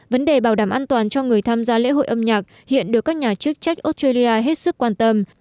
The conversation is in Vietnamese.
vấn đề bảo đảm an toàn cho người tham gia lễ hội âm nhạc hiện được các nhà chức trách australia hết sức quan tâm